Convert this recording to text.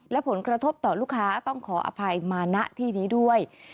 และผลกระทบต่อลูกค้าต้องขออภัยมาณที่นี้ด้วย